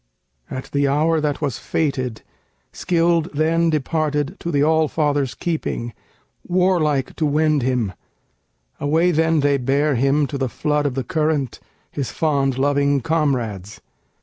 ] At the hour that was fated Scyld then departed to the All Father's keeping War like to wend him; away then they bare him To the flood of the current, his fond loving comrades.